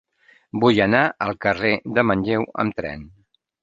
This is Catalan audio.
Vull anar al carrer de Manlleu amb tren.